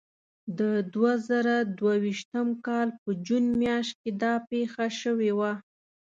د دوه زره دوه ویشتم کال په جون میاشت کې دا پېښه شوې وه.